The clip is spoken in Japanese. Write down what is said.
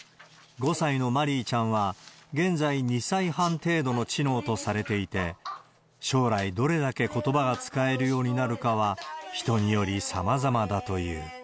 ５歳のまりいちゃんは、現在２歳半程度の知能とされていて、将来、どれだけことばが使えるようになるかは、人によりさまざまだという。